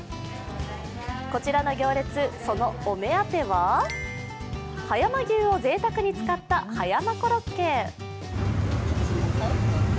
こちらの行列、そのお目当ては葉山牛をぜいたくに使った葉山コロッケ。